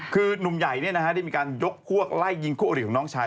คือนุ่มใหญ่ได้มีการยกพวกไล่ยิงคู่อริของน้องชาย